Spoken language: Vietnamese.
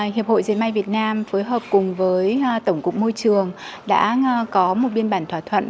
hiệp hội diệt may việt nam phối hợp cùng với tổng cục môi trường đã có một biên bản thỏa thuận